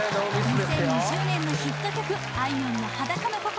２０２０年のヒット曲あいみょんの「裸の心」